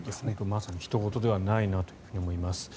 まさにひと事ではないなと思います。